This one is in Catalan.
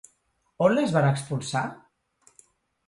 On les van expulsar?